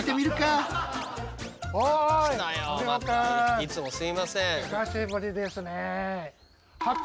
いつもすいません。